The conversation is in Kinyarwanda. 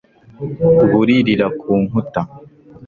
buririra ku nkuta